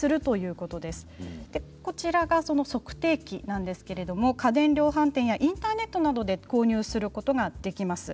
こちらがその測定器なんですけれども家電量販店やインターネットなどで購入することができます。